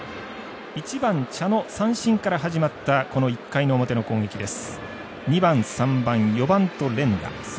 １番、茶野三振から始まったこの１回の表の攻撃です。